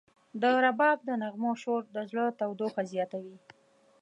د رباب د نغمو شور د زړه تودوخه زیاتوي.